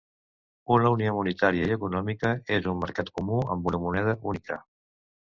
Una unió monetària i econòmica és un mercat comú amb una moneda única.